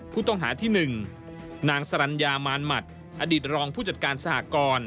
ผู้ต้องหาที่๑นางสรรญามารหมัดอดีตรองผู้จัดการสหกร